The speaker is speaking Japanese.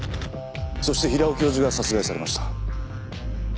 そして平尾教授が殺害されました。